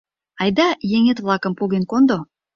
— Айда еҥет-влакым поген кондо.